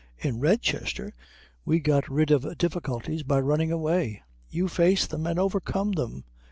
In Redchester we got rid of difficulties by running away. You face them and overcome them.